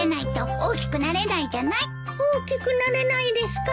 大きくなれないですか？